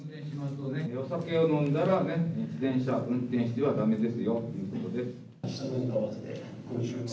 お酒を飲んだら運転しちゃ駄目ですよということです。